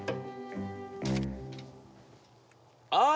ああ！